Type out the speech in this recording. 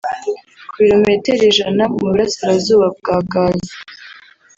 ku birometero ijana mu burasirazuba bwa Gaza